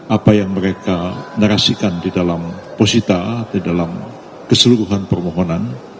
apa yang mereka narasikan di dalam posisita di dalam keseluruhan permohonan